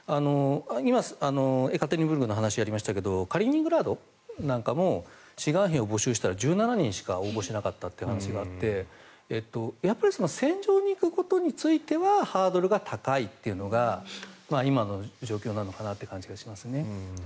今、エカテリンブルクの話がありましたがカリーニングラードなんかも志願兵を募集したら１７人しか応募しなかったっていう話があってやっぱり戦場に行くことについてハードルが高いというのが今の状況なのかなという感じがしますね。